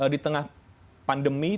di tengah pandemi